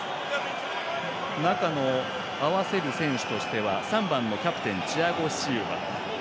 中に合わせる選手としては３番のキャプテンでチアゴ・シウバ。